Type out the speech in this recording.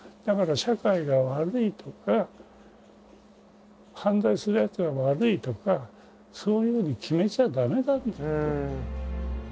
だから社会が悪いとか犯罪するやつが悪いとかそういうふうに決めちゃ駄目なんだ」って。